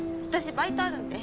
バイトあるんで。